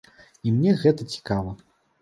І мне гэта цікава.